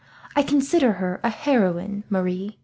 I consider her a heroine, Marie.